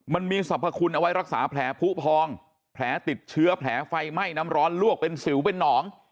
มันมีสรรพคุณเอาไว้รักษาแผลผู้พองแผลติดเชื้อแผลไฟไหม้น้ำร้อนลวกเป็นสิวเป็นหนอง